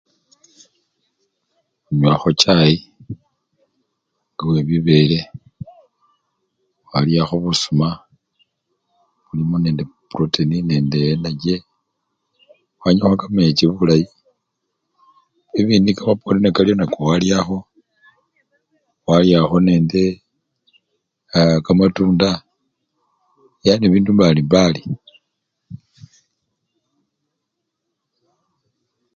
Khunywakho chai nga webibele khwalyakho busuma bilimo nende proteni nende enegi khwanywakho kamechi bulayi, bibindi nga kamapowondi nekaliwo khwalyakho, khwalyakho nende kamatunda yani bindu mbali-mbali